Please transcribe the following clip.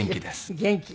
元気？